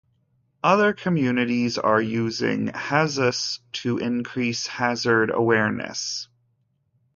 Other communities are using Hazus to increase hazard awareness.